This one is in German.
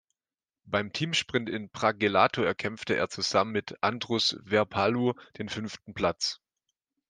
Beim Teamsprint in Pragelato erkämpfte er zusammen mit Andrus Veerpalu den fünften Platz.